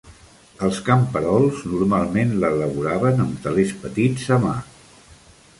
Els camperols normalment l'elaboraven amb telers petits a mà.